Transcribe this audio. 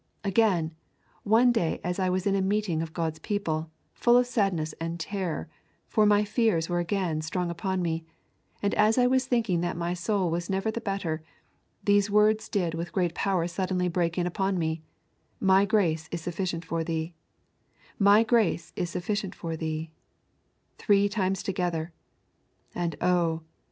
... Again, one day as I was in a meeting of God's people, full of sadness and terror, for my fears were again strong upon me, and as I was thinking that my soul was never the better, these words did with great power suddenly break in upon me: My grace is sufficient for thee, My grace is sufficient for thee, three times together; and, oh!